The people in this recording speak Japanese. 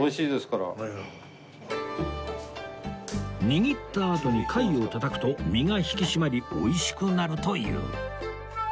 握ったあとに貝をたたくと身が引き締まり美味しくなるという